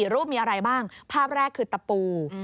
รูปมีอะไรบ้างภาพแรกคือตะปู